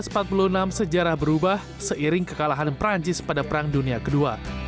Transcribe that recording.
pada seribu sembilan ratus empat puluh enam sejarah berubah seiring kekalahan perancis pada perang dunia ii